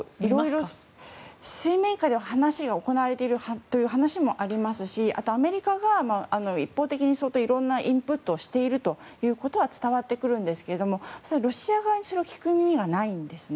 水面下では話が行われているという話もありますしあとはアメリカが一方的に相当いろいろなインプットをしているということは伝わってくるんですけどロシア側にそれを聞く耳がないんです。